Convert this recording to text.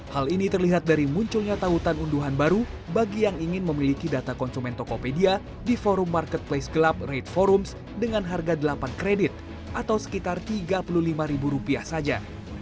hal ini terlihat dari munculnya tautan unduhan baru bagi yang ingin memiliki data konsumen tokopedia di forum marketplace gelap rate forums dengan harga delapan kredit atau sekitar tiga puluh lima saja